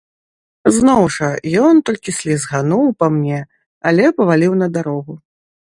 Зноў жа, ён толькі слізгануў па мне, але паваліў на дарогу.